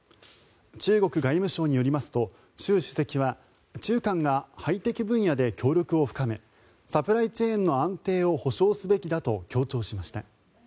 中国外務省によりますと習主席は中韓がハイテク分野で協力を深めサプライチェーンの安定を保障すべきだと強調しました。